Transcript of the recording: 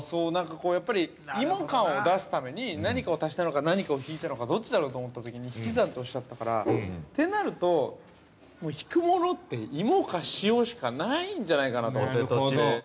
◆やっぱり芋感を出すために、何かを足したのか、何かを引いたのか、どっちだろうと思ったときに、引き算とおっしゃったからて、なると、引くものって芋か塩しかないんじゃないかなと思って。